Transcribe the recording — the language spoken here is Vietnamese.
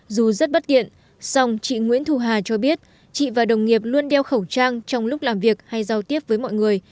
dù rất bất tiện song chị nguyễn thu hà cho biết chị và đồng nghiệp luôn đeo khẩu trang trong lúc làm việc hay giao tiếp với mọi người